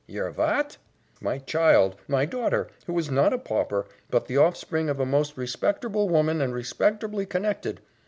"Yer vat?" "My child, my daughter, who is not a pauper, but the offspring of a most respecterble woman and respecterbly connected.